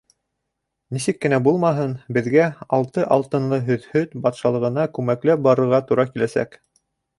— Нисек кенә булмаһын, беҙгә, Алты Алтынлы һөҙһөт батшалығына күмәкләп барырға тура киләсәк.